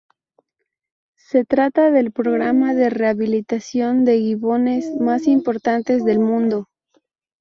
Se trata del programa de rehabilitación de gibones más importante del mundo.